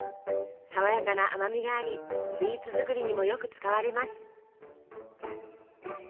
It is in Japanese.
さわやかな甘みがありスイーツ作りにもよく使われます。